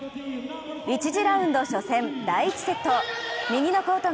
１次ラウンド初戦、第１セット。